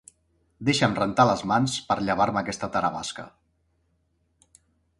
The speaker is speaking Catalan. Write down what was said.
Deixa'm rentar les mans per llevar-me aquesta taravasca.